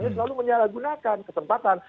selalu menyalahgunakan kesempatan